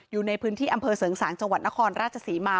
อยู่ในพื้นที่อำเภอเสริงสางจังหวัดนครราชศรีมา